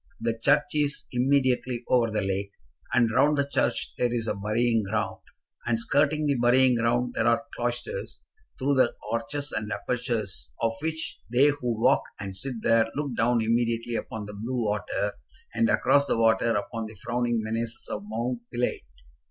The church is immediately over the lake, and round the church there is a burying ground, and skirting the burying ground there are cloisters, through the arches and apertures of which they who walk and sit there look down immediately upon the blue water, and across the water upon the frowning menaces of Mount Pilate.